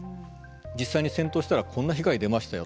実際に戦闘したらこんな被害が出ましたよ。